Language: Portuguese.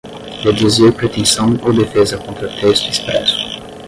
deduzir pretensão ou defesa contra texto expresso